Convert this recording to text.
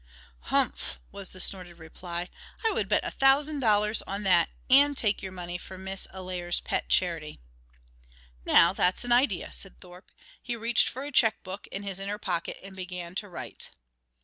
"Humph!" was the snorted reply. "I would bet a thousand dollars on that and take your money for Miss Allaire's pet charity." "Now that's an idea," said Thorpe. He reached for a check book in his inner pocket and began to write.